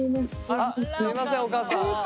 あっすいませんお母さん。